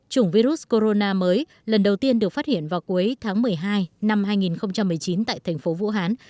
chủng virus corona mới lần đầu tiên được phát hiện vào cuối tháng một mươi hai năm hai nghìn một mươi chín tại thành phố vũ hán